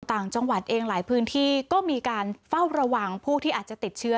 ต่างจังหวัดเองหลายพื้นที่ก็มีการเฝ้าระวังผู้ที่อาจจะติดเชื้อ